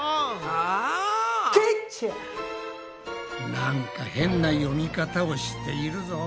なんか変な読み方をしているぞ。